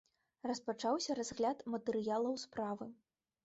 Распачаўся разгляд матэрыялаў справы.